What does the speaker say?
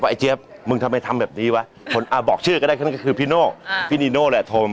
ไอ้เจี๊ยบมึงทำไมทำแบบนี้วะบอกชื่อก็ได้นั่นก็คือพี่โน่พี่นีโน่แหละโทร